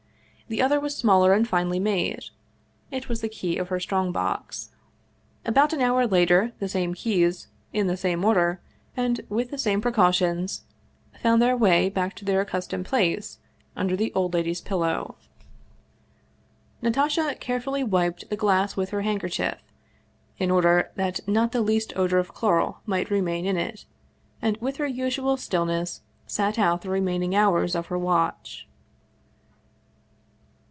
The other was smaller and finely made; it was the key of her strong box. About an hour later, the same keys, in the same order, and with the same precautions, found their way back to their accustomed place under the old lady's pillow. 108 Vsevolod Vladimir ovitch Krestovski Natasha carefully wiped the glass with her handker chief, in order that not the least odor of chloral might re main in it, and with her usual stillness sat out the remain ing hours of her watch.